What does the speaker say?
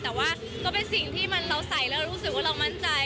แต่ว่าก็เป็นสิ่งที่เราใส่แล้วเรารู้สึกว่าเรามั่นใจ